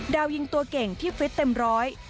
ดาวยิงตัวเก่งที่ฟิตเต็มร้อย